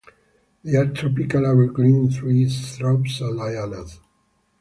They are tropical evergreen trees, shrubs and lianas.